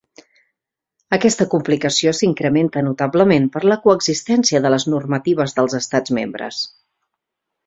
Aquesta complicació s'incrementa notablement per la coexistència de les normatives dels estats membres.